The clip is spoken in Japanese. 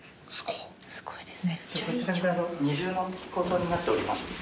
すごいです。